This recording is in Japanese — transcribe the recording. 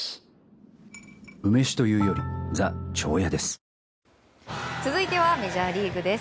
東京海上日動続いてはメジャーリーグです。